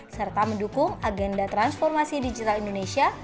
serta mendukung agenda transformasi digital indonesia